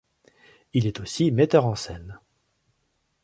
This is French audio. Il est aussi metteur en scène.